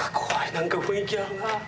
何か雰囲気あるな。